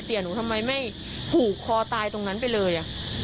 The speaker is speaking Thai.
หนูทำไมไม่ผูกคอตายตรงนั้นไปเลย